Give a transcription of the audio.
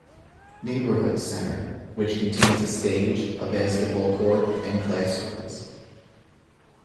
Neighborhood Center which contains a stage, a basketball court and classrooms.